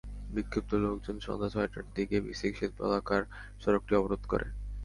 বিক্ষুব্ধ লোকজন সন্ধ্যা ছয়টার দিকে বিসিক শিল্প এলাকার সড়কটি অবরোধ করে।